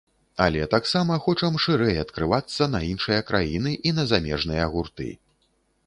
Але таксама хочам шырэй адкрывацца на іншыя краіны і на замежныя гурты.